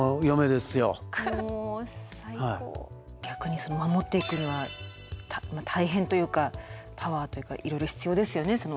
逆に守っていくには大変というかパワーというかいろいろ必要ですよね